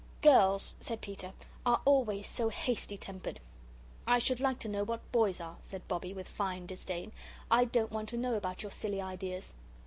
"Girls," said Peter, "are always so hasty tempered." "I should like to know what boys are?" said Bobbie, with fine disdain. "I don't want to know about your silly ideas."